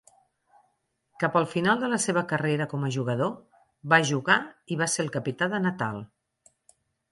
Cap al final de la seva carrera com a jugador, va jugar i va ser el capità de Natal.